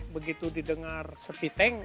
begitu didengar serpi teng